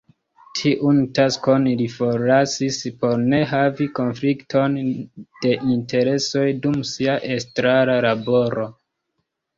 Tiun taskon li forlasis por ne havi konflikton de interesoj dum sia estrara laboro.